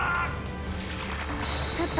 パパ！